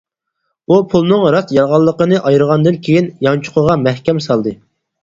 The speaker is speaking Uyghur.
ئۇ پۇلنىڭ راست-يالغانلىقىنى ئايرىغاندىن كېيىن يانچۇقىغا مەھكەم سالدى.